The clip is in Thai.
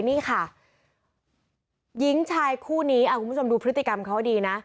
นี่ค่ะหญิงชายคู่นี้คุณผู้ชมดูพฤติกรรมเขาดีนะ